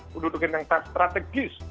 kedudukan yang tak strategis